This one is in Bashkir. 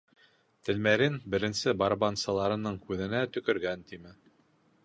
Тәлмәрйен беренсе барабансыларының күҙенә төкөргән тиме.